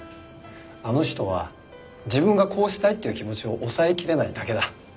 あの人は自分がこうしたいっていう気持ちを抑えきれないだけだ。